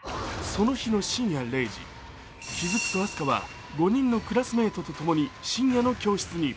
その日の深夜０時、気づくと明日香は５人のクラスメイトとともに深夜の教室に。